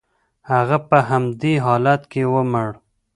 هغه په همدې حالت کې ومړ.